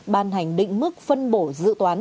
ban hành định mức phân bổ dự toán